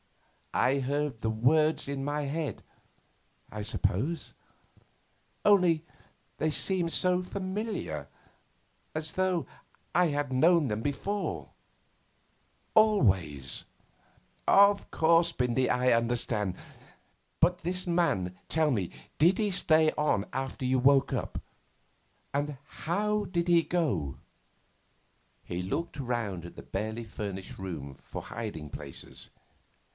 I heard the words in my head, I suppose; only they seemed so familiar, as though I'd known them before always ' 'Of course, Bindy, I understand. But this man tell me did he stay on after you woke up? And how did he go?' He looked round at the barely furnished room for hiding places.